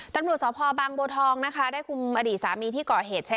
ตำรวจสพบางบัวทองนะคะได้คุมอดีตสามีที่ก่อเหตุใช้